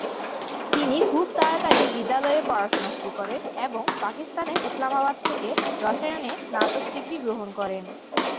তিনি খুব তাড়াতাড়ি বিদ্যালয়ে পড়াশুনা শুরু করেন এবং পাকিস্তানের ইসলামাবাদ থেকে রসায়নে স্নাতক ডিগ্রি গ্রহণ করেন।